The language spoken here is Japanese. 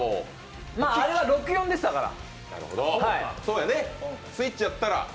あれは６４でしたから。